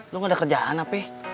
lu gak ada kerjaan apa